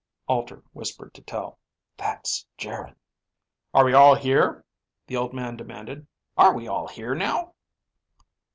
Alter whispered to Tel, "That's Geryn." "Are we all here?" the old man demanded. "Are we all here now?"